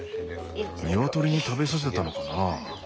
ニワトリに食べさせたのかな？